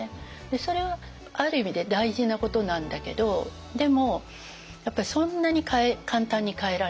それはある意味で大事なことなんだけどでもやっぱりそんなに簡単に変えられない。